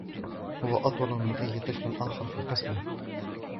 هو أطول من أي طفل آخر في قسمه.